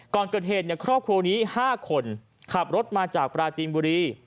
ก่อนเกิดเหตุครอบครัวนี้๕คนขับรถมาจากปราจีนบุรี